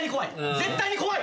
絶対に怖い！